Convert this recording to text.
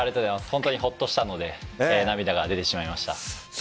本当にホッとしたので涙が出てしまいました。